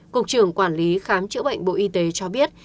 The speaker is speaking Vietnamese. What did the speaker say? cục trưởng quản lý khám chữa bệnh bộ y tế cho biết